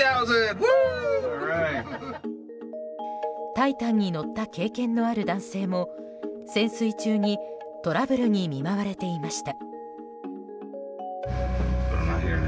「タイタン」に乗った経験のある男性も潜水中にトラブルに見舞われていました。